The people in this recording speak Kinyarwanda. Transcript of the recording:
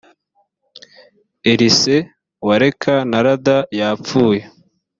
erise wa leka na lada yapfuye